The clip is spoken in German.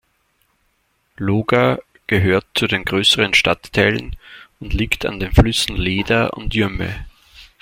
Loga gehört zu den größeren Stadtteilen und liegt an den Flüssen Leda und Jümme.